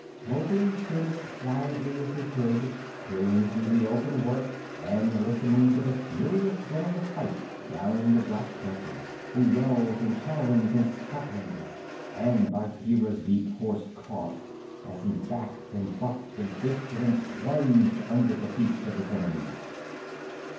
Mowgli stood as quietly as he could, peering through the open work and listening to the furious din of the fight round the Black Panther the yells and chatterings and scufflings, and Bagheera's deep, hoarse cough as he backed and bucked and twisted and plunged under the heaps of his enemies.